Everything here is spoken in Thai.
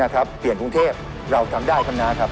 นี่ครับเปลี่ยนกรุงเทพเราทำได้คำนั้นครับ